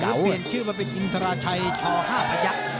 แล้วเปลี่ยนชื่อมาเป็นอินทราชัยช๕พยักษ์